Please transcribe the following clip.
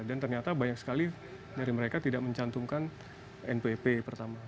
dan ternyata banyak sekali dari mereka tidak mencantumkan npp pertama